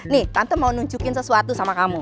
nih tante mau nunjukin sesuatu sama kamu